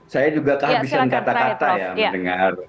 saya juga kehabisan kata kata ya mendengar